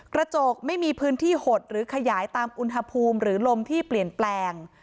กระจกไม่มีพื้นที่หดหรือขยายตามอุณหภูมิหรือลมที่เปลี่ยนแปลง